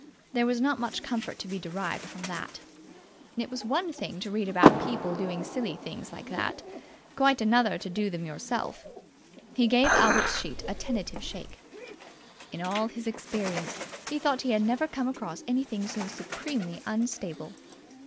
There was not much comfort to be derived from that. It was one thing to read about people doing silly things like that, quite another to do them yourself. He gave Albert's sheet a tentative shake. In all his experience he thought he had never come across anything so supremely unstable.